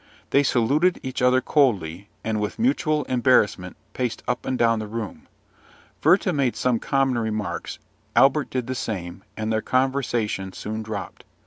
They saluted each other coldly, and with mutual embarrassment paced up and down the room. Werther made some common remarks; Albert did the same, and their conversation soon dropped.